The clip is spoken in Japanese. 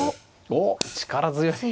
おっ力強い。